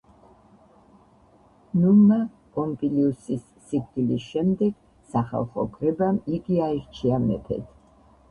ნუმა პომპილიუსის სიკვდილის შემდეგ სახალხო კრებამ იგი აირჩია მეფედ.